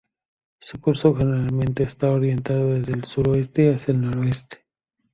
Su curso generalmente está orientado desde el suroeste hacia el noreste.